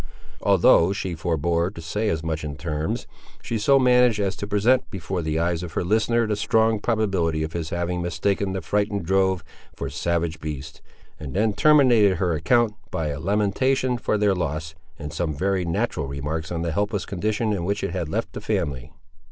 Although she forebore to say as much in terms, she so managed as to present before the eyes of her listener the strong probability of his having mistaken the frightened drove for savage beasts, and then terminated her account by a lamentation for their loss, and some very natural remarks on the helpless condition in which it had left the family.